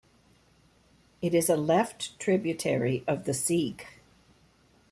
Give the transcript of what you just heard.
It is a left tributary of the Sieg.